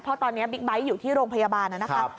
เพราะตอนนี้บิ๊กไบท์อยู่ที่โรงพยาบาลนะครับ